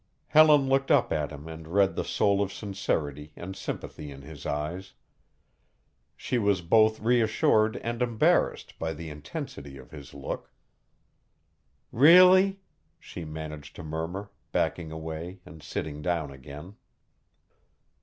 Helen looked up at him and read the soul of sincerity and sympathy in his eyes. She was both reassured and embarrassed by the intensity of his look. "Really?" she managed to murmur, backing away and sitting down again.